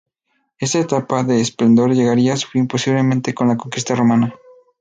Esta etapa de esplendor llegaría a su fin posiblemente con la conquista romana.